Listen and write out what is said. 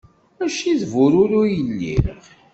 Mačči d bururu i lliɣ.